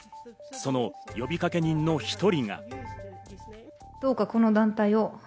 その呼びかけ人の１人が。